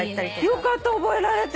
よかった覚えられて。